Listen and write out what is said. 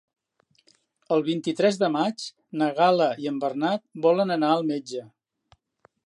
El vint-i-tres de maig na Gal·la i en Bernat volen anar al metge.